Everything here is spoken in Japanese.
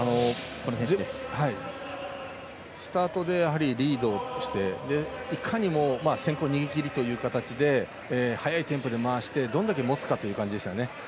スタートでリードしていかに先行逃げ切りという形で速いテンポで回してどれだけ持つかという感じでした。